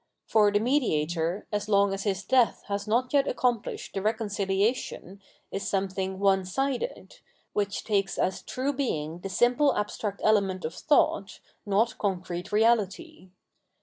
For the mediator, as long as his death has not yet accomphshed the reconcilia tion, is something one sided, which takes as true Being the simple abstract element of thought, not concrete reality.